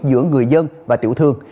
giữa người dân và tiểu thương